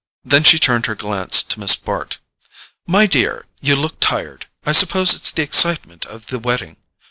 Then she turned her glance to Miss Bart. "My dear, you look tired; I suppose it's the excitement of the wedding.